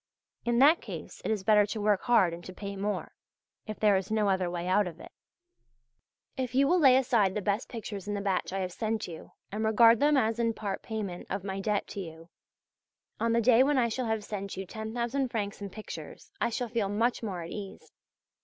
In that case it is better to work hard and to pay more, if there is no other way out of it. If you will lay aside the best pictures in the batch I have sent you and regard them as in part payment of my debt to you, on the day when I shall have sent you 10,000 francs in pictures, I shall feel much more at ease.